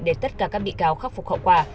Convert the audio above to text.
để tất cả các bị cáo khắc phục hậu quả